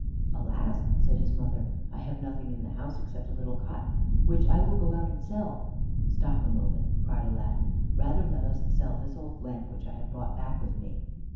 "Alas!" said his mother, "I have nothing in the house except a little cotton, which I will go out and sell." "Stop a moment," cried Aladdin, "rather let us sell this old lamp which I have brought back with me."